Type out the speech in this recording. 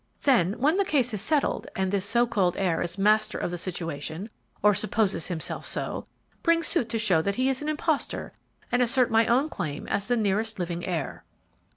Then, when the case is settled and this so called heir is master of the situation, or supposes himself so, bring suit to show that he is an impostor, and assert my own claim as the nearest living heir."